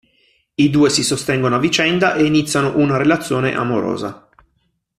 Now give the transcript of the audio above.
I due si sostengono a vicenda e iniziano una relazione amorosa.